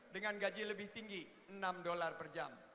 dengan gaji lebih tinggi enam dolar per jam